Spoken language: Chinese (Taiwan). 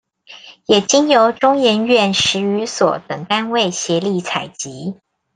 也經由中研院史語所等單位協力採集